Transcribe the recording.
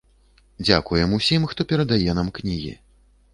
Дзякуем усім хто перадае нам кнігі!